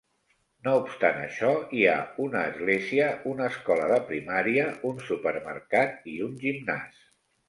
No obstant això, hi ha una església, una escola de primària, un supermercat i un gimnàs.